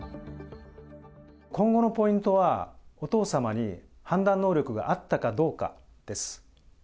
今後のポイントは、お父様に判断能力があったかどうかです。